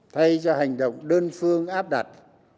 thay cho hành động đơn phương áp đặt